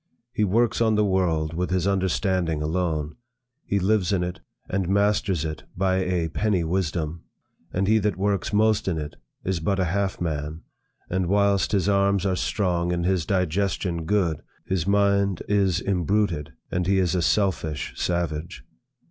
He works on the world with his understanding alone. He lives in it, and masters it by a penny wisdom; and he that works most in it, is but a half man, and whilst his arms are strong and his digestion good, his mind is imbruted, and he is a selfish savage.